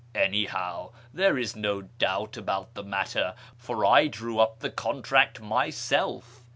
Any how, there is no douht ahout tlic matter, for \ ilicw up tlui contract myself.